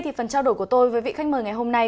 thì phần trao đổi của tôi với vị khách mời ngày hôm nay